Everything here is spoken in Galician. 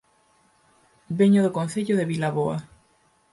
Veño do Concello de Vilaboa